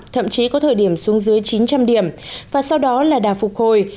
thậm chí có thời điểm xuống dưới chín trăm linh điểm và sau đó là đà phục hồi